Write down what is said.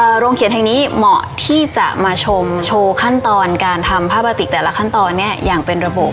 โรงเขียนแห่งนี้เหมาะที่จะมาชมโชว์ขั้นตอนการทำผ้าบาติกแต่ละขั้นตอนเนี้ยอย่างเป็นระบบ